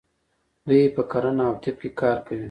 دوی په کرنه او طب کې کار کوي.